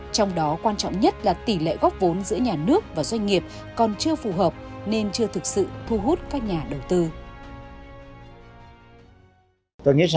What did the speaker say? trong đó quan trọng nhất là tỷ lệ góp vốn giữa nhà